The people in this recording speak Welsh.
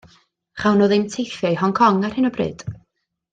Chawn nhw ddim teithio i Hong Kong ar hyn o bryd.